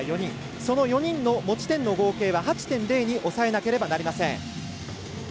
その４人の持ち点の合計は８．０に抑えなければなりません。